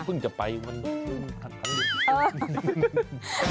พึ่งจะไปมัน